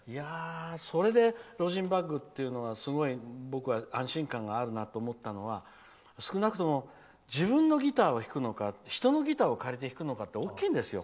それでロージンバッグはすごく僕は安心感があるなと思ったのは少なくとも自分のギターを弾くのか人のギターを借りて弾くのかって大きいんですよ。